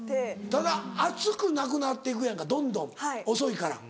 ただ熱くなくなっていくやんかどんどん遅いから。